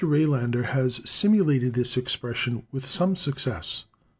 Rejlander has simulated this expression with some success.